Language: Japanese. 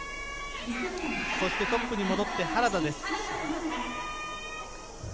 トップに戻って原田です。